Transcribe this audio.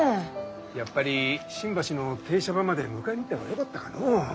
やっぱり新橋の停車場まで迎えに行った方がよかったかのう？